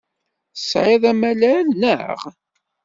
Tesɛiḍ amalal, naɣ?